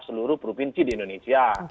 seluruh provinsi di indonesia